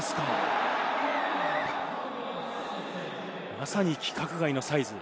まさに規格外のサイズ。